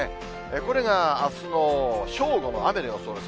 これがあすの正午の雨の予想です。